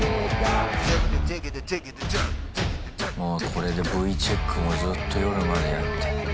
これでＶチェックもずっと夜までやって。